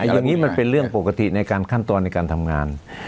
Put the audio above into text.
อย่างนี้มันเป็นเรื่องปกติในการขั้นตอนในการทำงาน